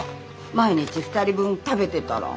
毎日２人分食べてたら。